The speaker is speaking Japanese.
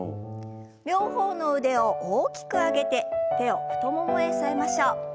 両方の腕を大きくあげて手を太ももへ添えましょう。